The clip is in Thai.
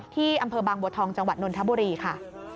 ที่อำเภอบางบัวทองจังหวัดนนทบุรีค่ะ